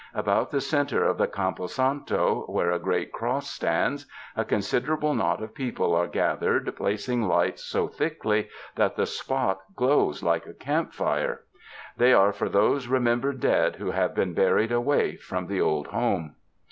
About the center of the campo santo where a great cross stands, a con siderable knot of people are gathered placing lights so thickly that the spot glows like a campfire. They are for those remembered dead who have been buried away from the old home.